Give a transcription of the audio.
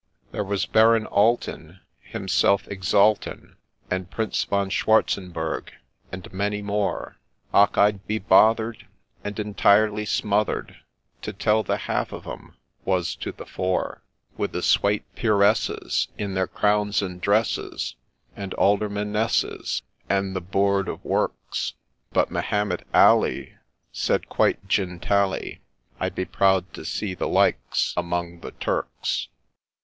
There was Baron Alten himself exalting, And Prince Von Schwartzenberg, and many more, Och ! I'd be bother'd and entirely smother'd To tell the half of 'em was to the fore ; With the swate Peeresses, in their crowns and dresses, And Aldermanesses, and the Boord of Works ; But Mehemet Ali said, quite gintaly, ' I'd be proud to see the likes among the Turks